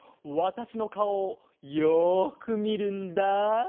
わたしのかおをよくみるんだ。